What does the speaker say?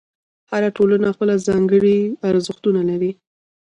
هره ټولنه خپل ځانګړي ارزښتونه لري.